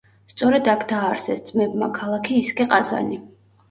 სწორედ აქ დააარსეს ძმებმა ქალაქი ისკე-ყაზანი.